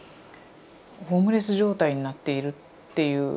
ホームレス状態になっているっていう。